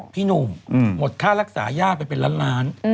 พี่หนุ่มหมดค่ารักษาย่าไปเป็นล้านล้าน